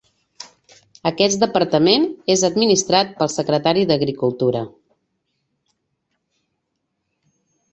Aquest departament és administrat pel secretari d'agricultura.